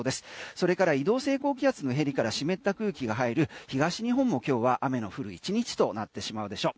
それから移動性高気圧のへりから湿った空気が入る東日本も今日は雨の降る１日となってしまうでしょう。